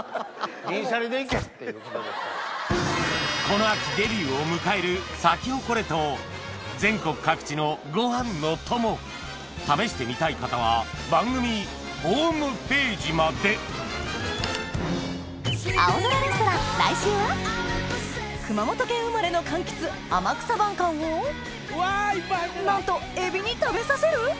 この秋デビューを迎えるサキホコレと全国各地のご飯の友試してみたい方は番組ホームページまで熊本県生まれのかんきつ天草晩柑をなんと海老に食べさせる？